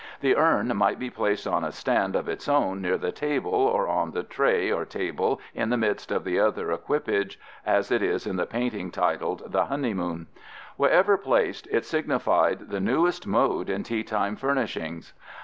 The urn might be placed on a stand of its own near the table or on the tray or table in the midst of the other equipage as it is in the painting titled The Honeymoon (fig. 9). Wherever placed, it signified the newest mode in teatime furnishings.